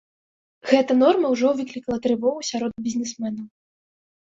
Гэта норма ўжо выклікала трывогу сярод бізнэсменаў.